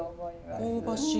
香ばしい。